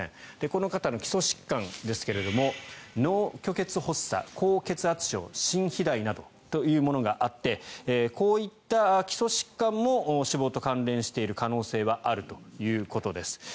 この方の基礎疾患ですが脳虚血発作、高血圧症心肥大などというものがあってこういった基礎疾患も死亡と関連している可能性はあるということです。